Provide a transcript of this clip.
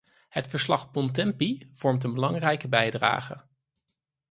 Het verslag-Bontempi vormt een belangrijke bijdrage.